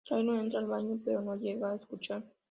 Taylor entra al baño, pero no llega a escuchar.